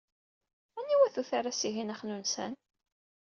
Aniwa-t uterras-ihin axnunsan?